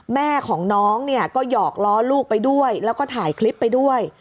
แม่ของน้องเนี่ยก็หยอกล้อลูกไปด้วยแล้วก็ถ่ายคลิปไปด้วย